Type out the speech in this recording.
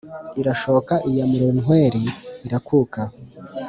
irashooka iya murorunkweri irakuka